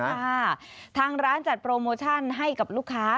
ทางร้านจัดโปรโมชั่นให้กับลูกค้า